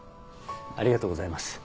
ありがとうございます。